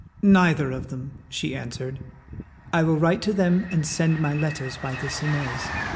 "Neither of them," she answered. "I will write to them and send my letters by this Inez.